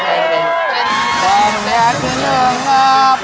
ต้องแวะช่วยคุณอาฟ